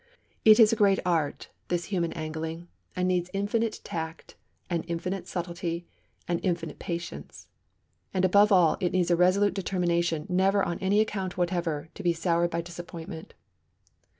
It is a great art, this human angling, and needs infinite tact, and infinite subtilty, and infinite patience. And, above all, it needs a resolute determination never on any account whatever to be soured by disappointment.